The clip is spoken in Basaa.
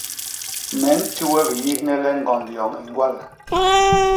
Me nti we biyihne le ñgond yoñ i ñgwal.